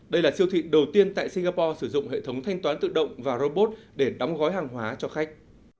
đây là siêu thị đầu tiên tại singapore sử dụng hệ thống thanh toán tự động và robot để đóng gói hàng hóa cho khách